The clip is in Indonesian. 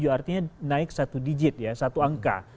artinya naik satu digit ya satu angka